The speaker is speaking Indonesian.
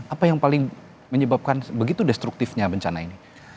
apa yang paling menyebabkan begitu destruktifnya bencana ini